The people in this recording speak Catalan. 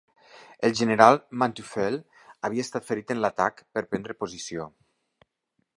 El general Manteuffel havia estat ferit en l'atac per prendre posició.